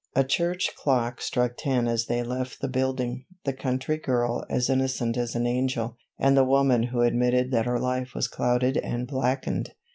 A church clock struck ten as they left the building, the country girl, as innocent as an angel, and the woman who admitted that her life was clouded and blackened.